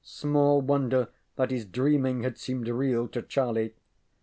Small wonder that his dreaming had seemed real to Charlie.